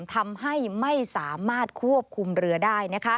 ทำให้ไม่สามารถควบคุมเรือได้